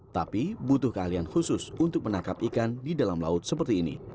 tapi butuh keahlian khusus untuk menangkap ikan di dalam laut seperti ini